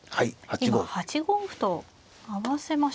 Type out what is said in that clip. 今８五歩と合わせましたね。